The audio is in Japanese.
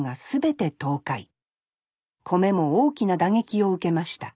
米も大きな打撃を受けました